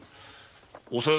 おさよ